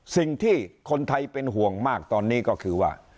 สิ่งที่คนไทยเป็นห่วงมากตอนนี้ก็คือว่า